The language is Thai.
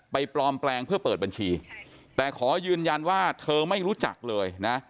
ปลอมแปลงเพื่อเปิดบัญชีแต่ขอยืนยันว่าเธอไม่รู้จักเลยนะ